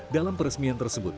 dalam peresmian tersebut